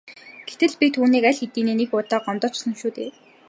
Гэтэл би түүнийг аль хэдийн нэг удаа гомдоочихсон шүү дээ.